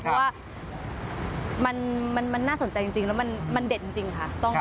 เพราะว่ามันน่าสนใจจริงแล้วมันเด็ดจริงค่ะ